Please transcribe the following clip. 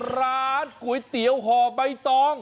ร้านก๋วยเตี๋ยวห่อใบตอง